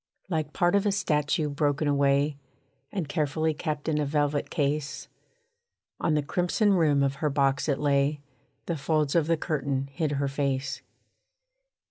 Like part of a statue broken away, And carefully kept in a velvet case, On the crimson rim of her box it lay; The folds of the curtain hid her face.